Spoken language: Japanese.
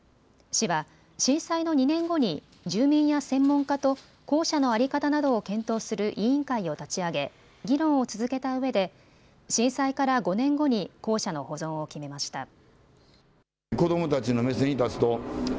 市は震災の２年後に住民や専門家と校舎の在り方などを検討する委員会を立ち上げ議論を続けたうえで震災から５年後に校舎の保存を決めました。